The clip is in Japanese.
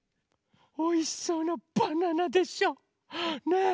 おいしそうなバナナでしょ？ねえ。